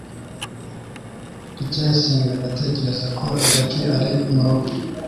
ndacyayisenga ntatekereza ko jaki ari murugo